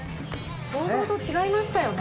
想像と違いましたよね！